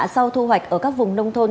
sau thu hoạch ở các vùng nông thôn